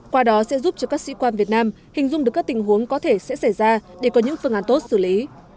qua đó sẽ giúp cho các sĩ quan việt nam hình dung được các tình huống có thể sẽ xảy ra để có những phương án tốt xử lý